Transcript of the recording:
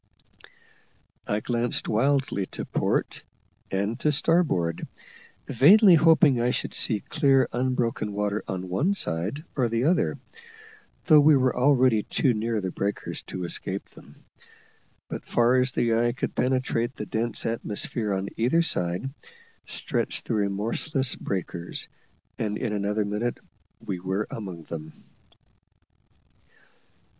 I glanced wildly to port and to starboard, vainly hoping I should see clear unbroken water on one side or the other, though we were already too near the breakers to escape them. But far as the eye could penetrate the dense atmosphere on either side, stretched the remorseless breakers, and in another minute we were among them.